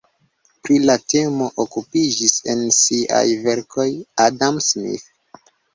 Pri la temo okupiĝis en siaj verkoj Adam Smith.